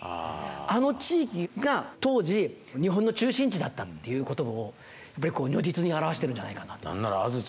あの地域が当時日本の中心地だったということをやっぱりこう如実に表してるんじゃないかなと。